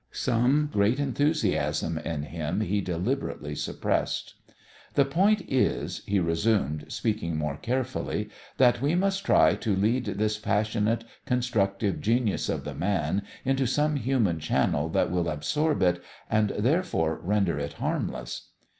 Some great enthusiasm in him he deliberately suppressed. "The point is," he resumed, speaking more carefully, "that we must try to lead this passionate constructive genius of the man into some human channel that will absorb it, and therefore render it harmless."